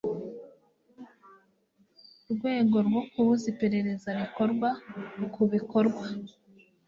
rwego rwo kubuza iperereza rikorwa ku bikorwa